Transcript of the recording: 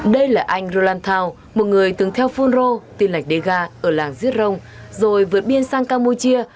đây là anh roland thao một người từng theo phun ro tiên lạch đế ga ở làng giết rồng rồi vượt biên sang campuchia